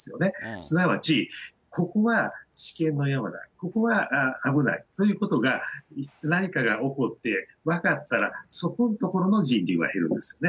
すなわち、ここは試験のようだ、ここは危ないということが、何かが起こって分かったら、そこのところの人流が減るんですね。